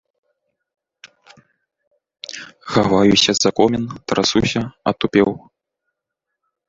Хаваюся за комін, трасуся, атупеў.